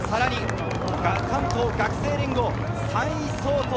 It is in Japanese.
関東学生連合、３位相当。